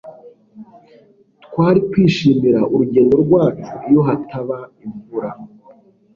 twari kwishimira urugendo rwacu iyo hataba imvura